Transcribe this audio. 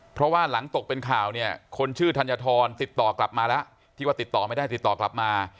เพราะว่าหลังตกเป็นข่าวเนี่ยคนชื่อธัญฑรติดต่อกลับมาแล้วที่ว่าติดต่อไม่ได้ติดต่อกลับมา